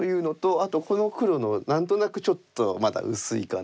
あとこの黒の何となくちょっとまだ薄いかな。